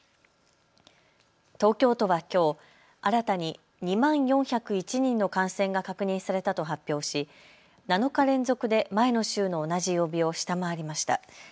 東京都はきょう新たに２万４０１人の感染が確認されたと発表し７日連続で前の週の同じ曜日を下回りました。